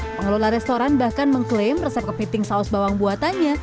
pengelola restoran bahkan mengklaim resep kepiting saus bawang buatannya